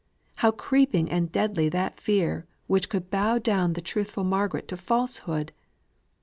How creeping and deadly that fear which could bow down the truthful Margaret to falsehood!